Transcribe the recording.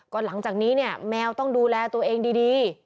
ก็หลังจากนี้เนี่ยแมวต้องดูแลตัวเองดี